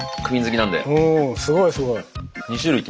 おすごいすごい。